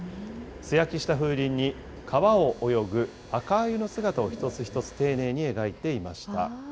素焼きした風鈴に、川を泳ぐ若あゆの姿を丁寧に描いていました。